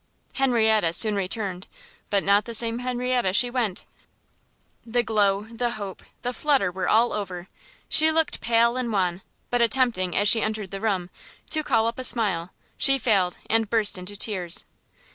Henrietta soon returned, but not the same Henrietta she went; the glow, the hope, the flutter were all over; she looked pale and wan, but attempting, as she entered the room, to call up a smile, she failed, and burst into tears.